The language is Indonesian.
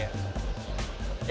ya gak cantik